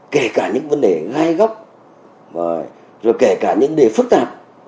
kể cả những vấn đề gai góc rồi kể cả những đề phức tạp